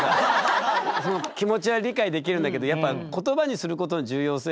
その気持ちは理解できるんだけどやっぱことばにすることの重要性が。